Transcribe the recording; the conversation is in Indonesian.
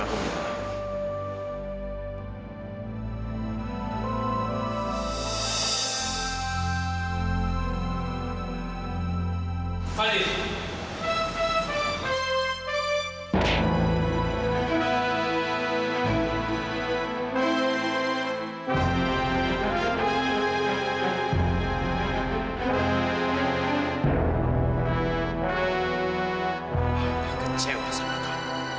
aku sangat kecewa denganmu